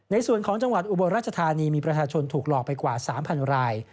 ในส่วนของจังหวัดอุบลราชธานีมีประชาชนถูกหลอกไปกว่า๓๐๐ราย